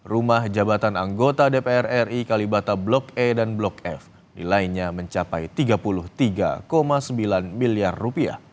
rumah jabatan anggota dpr ri kalibata blok e dan blok f nilainya mencapai rp tiga puluh tiga sembilan miliar